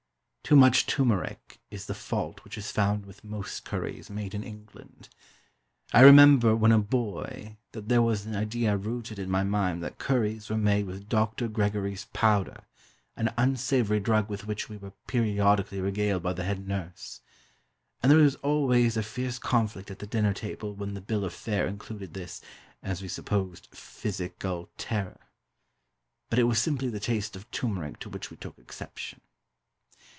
"Too much turmeric" is the fault which is found with most curries made in England. I remember, when a boy, that there was an idea rooted in my mind that curries were made with Doctor Gregory's Powder, an unsavoury drug with which we were periodically regaled by the head nurse; and there was always a fierce conflict at the dinner table when the bill of fare included this (as we supposed) physic al terror. But it was simply the taste of turmeric to which we took exception.